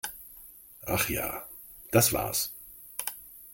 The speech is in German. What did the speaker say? Ach ja, das war's!